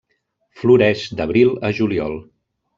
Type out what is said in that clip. Floreix d'abril a juliol.